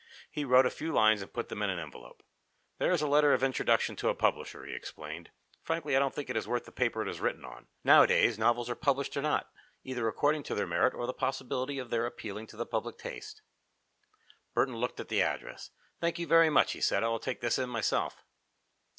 He wrote a few lines and put them in an envelope. "There is a letter of introduction to a publisher," he explained. "Frankly, I don't think it is worth the paper it is written on. Nowadays, novels are published or not, either according to their merit or the possibility of their appealing to the public taste." Burton looked at the address. "Thank you very much," he said. "I will take this in myself."